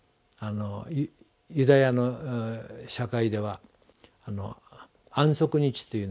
ユダヤの社会では安息日というのはね